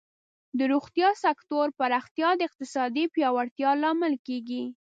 د روغتیا سکتور پراختیا د اقتصادی پیاوړتیا لامل کیږي.